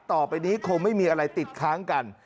ต่อไปนี้คงไม่มีอะไรติดค้างกัน